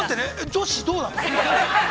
女子どうなの？